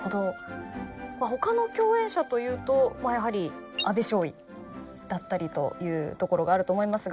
他の共演者というとやはり阿部少佐だったりというところがあると思いますが。